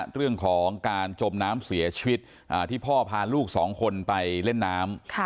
เรื่องของการจมน้ำเสียชีวิตที่พ่อพาลูกสองคนไปเล่นน้ำ